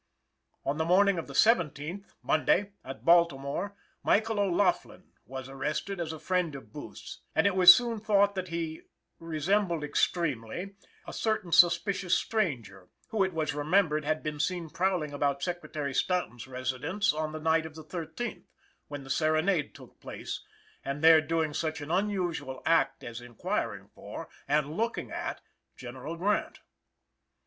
On the morning of the seventeenth (Monday), at Baltimore, Michael O'Laughlin was arrested as a friend of Booth's, and it was soon thought that he "resembled extremely" a certain suspicious stranger who, it was remembered, had been seen prowling about Secretary Stanton's residence on the night of the 13th, when the serenade took place, and there doing such an unusual act as inquiring for, and looking at, General Grant.